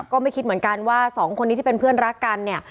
ก็ไม่คิดเหมือนกันว่าสองคนนี้ที่เป็นเพื่อนรักกันเนี่ย